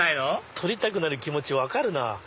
撮りたくなる気持ち分かるな。